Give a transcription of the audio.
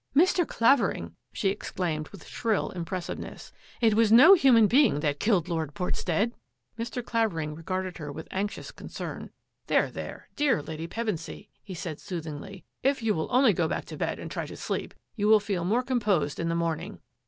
" Mr. Clavering," she exclaimed with shrill im pressiveness, " it was no himian being that killed Lord Portstead !" Mr. Clavering regarded her with anxious con cern. " There, there, dear Lady Pevensy," he said 62 THAT AFFAIR AT THE MANOR soothingly, " If you will only go back to bed and try to sleep, you will feel more composed in the morning."